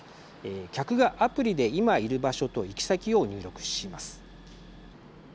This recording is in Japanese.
客がアプリで今いる場所と行き先を入力します。